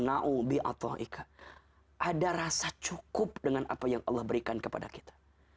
ada rasa cukup dengan apa yang allah berikan kepada kita